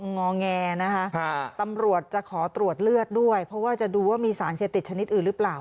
งอแงนะคะตำรวจจะขอตรวจเลือดด้วยเพราะว่าจะดูว่ามีสารเสพติดชนิดอื่นหรือเปล่า